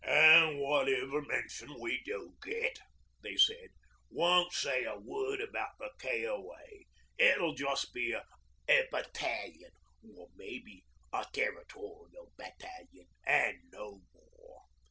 'And whatever mention we do get,' they said, 'won't say a word about the K.O.A. It'll just be a "battalion," or maybe "a Territorial battalion," and no more.'